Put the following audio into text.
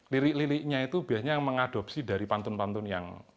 lirik liriknya itu biasanya mengadopsi dari pantun pantun yang